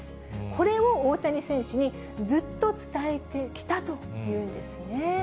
これを大谷選手にずっと伝えてきたというんですね。